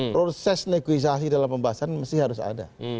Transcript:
proses negosiasi dalam pembahasan mesti harus ada